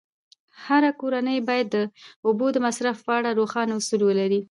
هره کورنۍ باید د اوبو د مصرف په اړه روښانه اصول ولري.